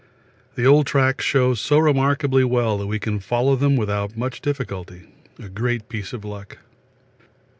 The old tracks show so remarkably well that we can follow them without much difficulty a great piece of luck.